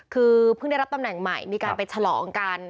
คือเพิ่งได้รับตำแหน่งใหม่มีการไปฉลองกัน